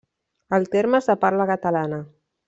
El terme és de parla catalana.